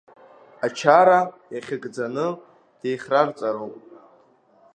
Ачара иахьыгӡаны деихрарҵароуп.